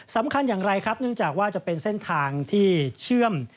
สำคัญอย่างไรครับเนื่องจากว่าจะเป็นเส้นทางที่เชื่อม